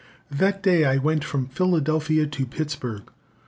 That day I went from Philadelphia to Pittsburg.